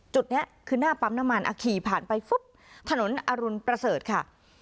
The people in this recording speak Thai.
จุดนี้คือหน้าปั๊มน้ำมันขี่ผ่านไปปุ๊บถนนอรุณประเสริฐค่ะ